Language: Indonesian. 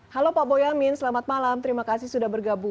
halo pak boyamin selamat malam terima kasih sudah bergabung